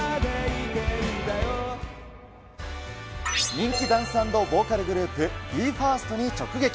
人気ダンス＆ボーカルグループ、ＢＥ：ＦＩＲＳＴに直撃。